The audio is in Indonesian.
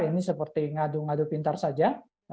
ini seperti ngadu ngadu pintar saja